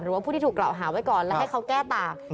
ผู้ที่ถูกกล่าวหาไว้ก่อนและให้เขาแก้ต่าง